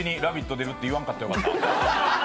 出るって言わなきゃよかった。